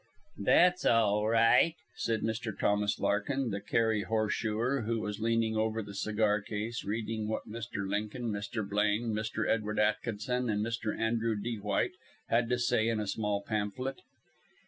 "That's all r right," said Mr. Thomas Larkin, the Kerry horseshoer, who was leaning over the cigar case, reading what Mr. Lincoln, Mr. Blaine, Mr. Edward Atkinson, and Mr. Andrew D. White had to say in a small pamphlet.